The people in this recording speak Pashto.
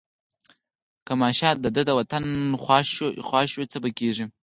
که ماشه د ده د وطن خوا شوه څه به کېږي.